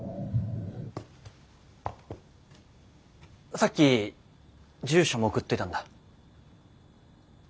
さっき住所も送っといたんだ。